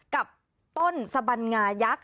กับต้นสบัญงายักษ